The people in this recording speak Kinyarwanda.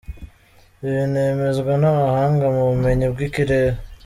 Ibi binemezwa n’abahanga mu bumenyi bw’ikirere.